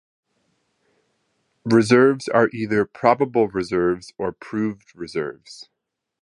Reserves are either Probable Reserves" or "Proved Reserves.